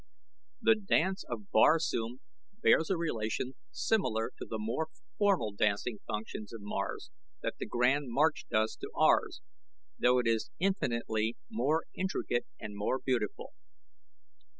The Dance of Barsoom bears a relation similar to the more formal dancing functions of Mars that The Grand March does to ours, though it is infinitely more intricate and more beautiful.